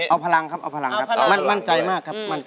เอาพลังครับเอาพลังครับมั่นใจมากครับ